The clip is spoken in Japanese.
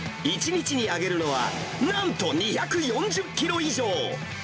１日に揚げるのは、なんと２４０キロ以上。